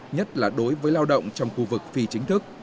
nhất là đối với lao động trong khu vực phi chính thức